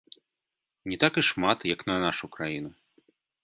Не так і шмат, як на нашу краіну.